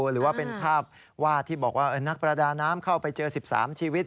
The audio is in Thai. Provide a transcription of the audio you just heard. หรือว่าเป็นภาพวาดที่บอกว่านักประดาน้ำเข้าไปเจอ๑๓ชีวิต